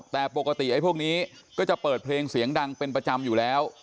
แต่ปกติไอ้พวกนี้ก็จะเปิดเพลงเสียงดังเป็นประจำอยู่แล้ว